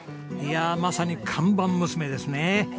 いやまさに看板娘ですね。